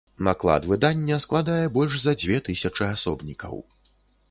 Наклад выдання складае больш за дзве тысячы асобнікаў.